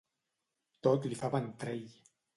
Tot li fa ventrell.